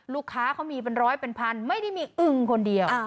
ลูกค้าเขามีเป็นร้อยเป็นพันไม่ได้มีอึงคนเดียว